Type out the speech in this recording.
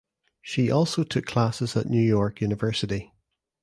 She also took classes at New York University.